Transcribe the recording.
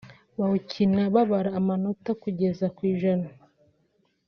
bawukina babara amanota kugeza ku ijana